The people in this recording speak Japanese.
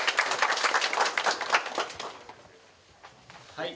はい。